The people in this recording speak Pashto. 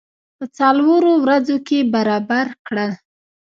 په څلورو ورځو کې برابر کړل.